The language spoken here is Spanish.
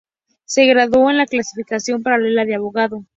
Se graduó en la clasificación paralela de abogado.